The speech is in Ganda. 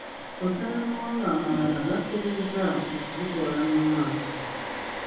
Kw’ossa n’amawanga amalala gakkiriza okugitwala mu maaso.